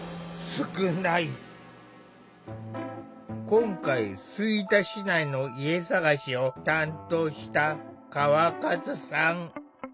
今回吹田市内の家探しを担当した川勝さん。